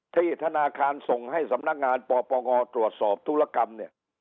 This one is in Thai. ธนาคารส่งให้สำนักงานปปงตรวจสอบธุรกรรมเนี่ย